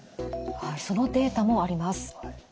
そのデータもあります。